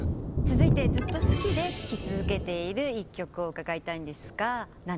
続いてずっと好きで聴き続けている一曲を伺いたいんですが何でしょうか？